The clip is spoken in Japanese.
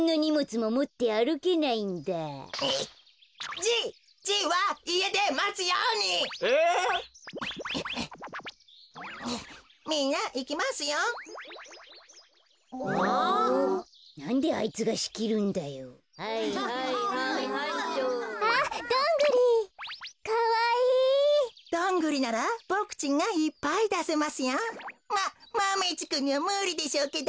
まっマメ１くんにはむりでしょうけど。